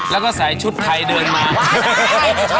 แล้วก็ใส่ชุดไทยเดินมา